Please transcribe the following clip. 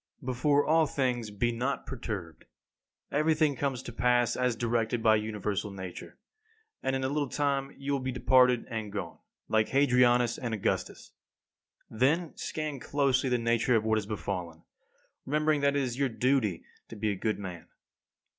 5. Before all things, be not perturbed. Everything comes to pass as directed by universal Nature, and in a little time you will be departed and gone, like Hadrianus and Augustus. Then, scan closely the nature of what has befallen, remembering that it is your duty to be a good man.